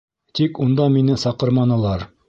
Тик унда мине саҡырманылар.